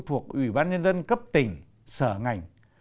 thuộc ủy ban nhân dân cấp tỉnh sở ngành